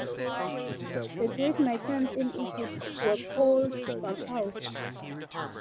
The Greek merchants in Egypt were called "bakal".